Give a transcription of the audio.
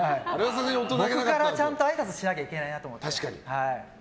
僕からちゃんとあいさつしないといけないなと思って。